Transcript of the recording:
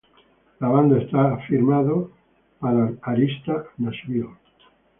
La banda está firmado para Arista Nashville.